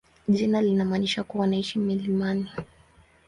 Jina linamaanisha kuwa wanaishi milimani.